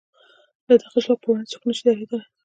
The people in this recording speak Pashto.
د دغه ځواک پر وړاندې څوک نه شي درېدلای.